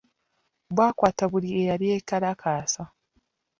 Baakwata buli eyali yeekalakaasa.